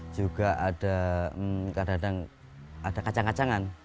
juga ada kadang kadang ada kacang kacangan